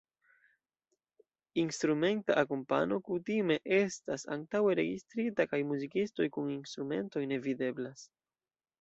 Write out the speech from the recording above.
Instrumenta akompano kutime estas antaŭe registrita kaj muzikistoj kun instrumentoj ne videblas.